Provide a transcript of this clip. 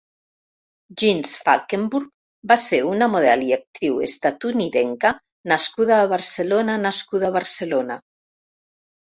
Jinx Falkenburg va ser una model i actriu estatunidenca nascuda a Barcelona nascuda a Barcelona.